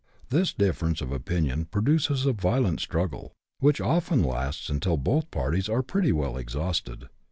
This difference of opinion produces a violent struggle, which often lasts until both parties are pretty well exhausted.